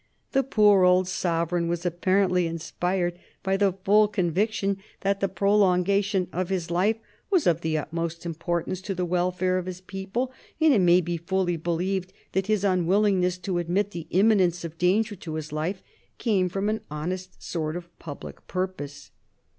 The poor old sovereign was apparently inspired by the full conviction that the prolongation of his life was of the utmost importance to the welfare of his people, and it may be fully believed that his unwillingness to admit the imminence of danger to his life came from an honest sort of public purpose.